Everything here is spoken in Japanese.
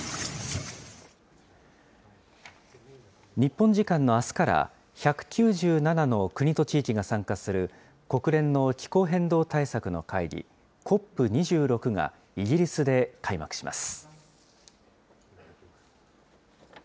日本時間のあすから１９７の国と地域が参加する国連の気候変動対策の会議、ＣＯＰ２６がイギリスで開幕します。